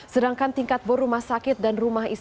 sedangkan tingkat bor rumah sakit dan rumah sakit